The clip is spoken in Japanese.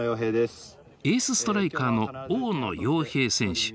エースストライカーの大野耀平選手。